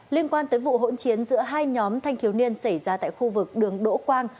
liên quan tới vụ hỗn chiến giữa hai nhóm thanh thiếu niên xảy ra tại khu vực đường đỗ quang